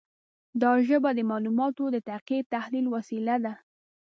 دا ژبه د معلوماتو د دقیق تحلیل وسیله ده.